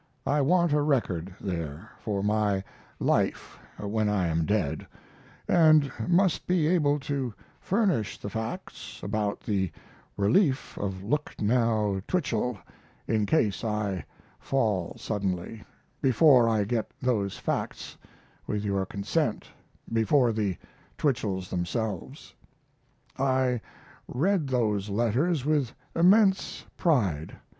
I want a record there, for my Life when I am dead, & must be able to furnish the facts about the Relief of Lucknow Twichell in case I fall suddenly, before I get those facts with your consent, before the Twichells themselves. I read those letters with immense pride!